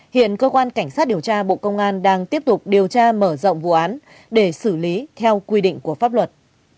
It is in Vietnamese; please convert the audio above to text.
hiện cơ quan cảnh sát điều tra bộ công an đang tiếp tục điều tra mở rộng vụ án để xử lý theo quy định của pháp luật